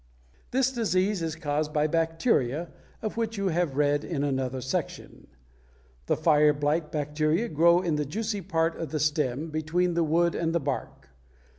This disease is caused by bacteria, of which you have read in another section. The fire blight bacteria grow in the juicy part of the stem, between the wood and the bark.